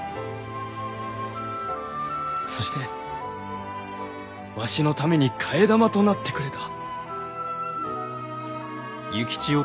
そしてわしのために替え玉となってくれた。